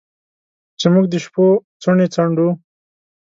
چې موږ د شپو څوڼې څنډو